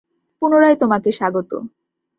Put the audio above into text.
পুনরায় তোমাকে স্বাগত।